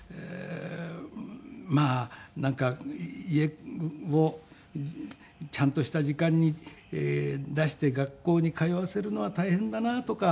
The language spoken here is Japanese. まあなんか家をちゃんとした時間に出して学校に通わせるのは大変だなとか。